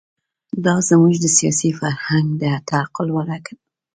دا زموږ د سیاسي فرهنګ د تعقل ورکه ده.